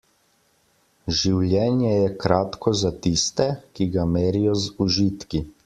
Življenje je kratko za tiste, ki ga merijo z užitki.